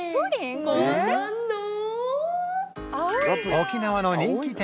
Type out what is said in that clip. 沖縄の人気店